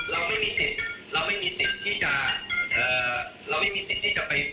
เราไม่มีสิทธิ์เราไม่มีสิทธิ์ที่จะเอ่อเราไม่มีสิทธิ์ที่จะไป